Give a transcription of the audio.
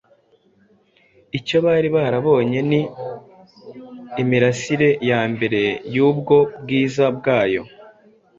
Icyo bari barabonye ni imirasire ya mbere y’ubwo bwiza bwayo.